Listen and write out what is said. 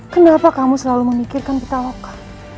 kenapa kamu selalu memikirkan vitaloka